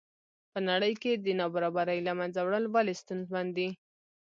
په نړۍ کې د نابرابرۍ له منځه وړل ولې ستونزمن دي.